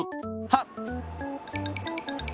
はっ！